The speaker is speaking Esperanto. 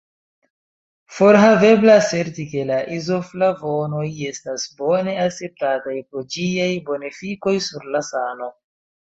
Forhavebla aserti ke la izoflavonoj estas bone akceptataj pro ĝiaj bonefikoj sur la sano.